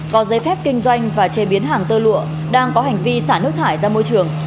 có giấy phép kinh doanh và chế biến hàng tơ lụa đang có hành vi xả nước thải ra môi trường